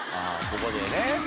ここでね。